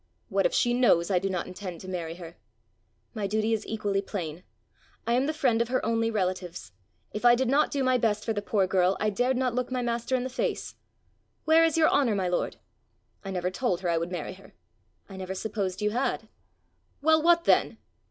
"What if she knows I do not intend to marry her?" "My duty is equally plain: I am the friend of her only relatives. If I did not do my best for the poor girl, I dared not look my Master in the face! Where is your honour, my lord?" "I never told her I would marry her." "I never supposed you had." "Well, what then?"